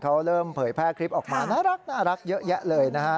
เขาเริ่มเผยแพร่คลิปออกมาน่ารักเยอะแยะเลยนะฮะ